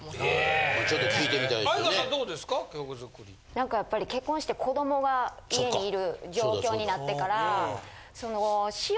何かやっぱり結婚して子供が家にいる状況になってから。